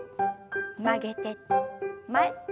曲げて前。